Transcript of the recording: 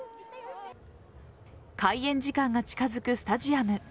開園時間が近づくスタジアム。